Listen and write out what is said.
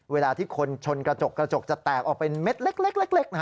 เวลาที่คนชนกระจกกระจกจะแตกออกเป็นเม็ดเล็กนะฮะ